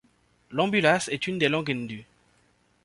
L'ambulas est une des langues ndu.